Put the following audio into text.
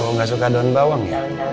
oh gak suka daun bawang ya